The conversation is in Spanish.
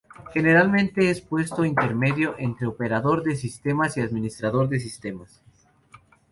Generalmente, es un puesto intermedio entre Operador de sistemas y Administrador de sistemas.